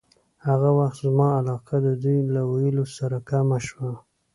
هغه وخت زما علاقه د دوی له ویلو سره کمه شوه.